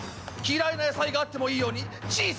［嫌いな野菜があってもいいように小さく］